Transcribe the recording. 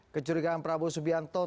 kecurigaan prabowo sandi viva yoga mauladi